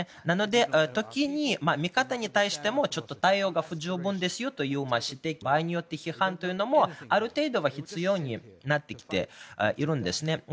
なので、時に味方に対してもちょっと対応が不十分ですよという指摘場合によって批判というのもある程度は必要になってきているんですね。